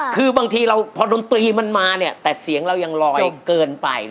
คือบางทีเราพอดนตรีมันมาแต่เสียงเรายังลอยเกินไป